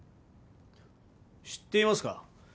知っていますか？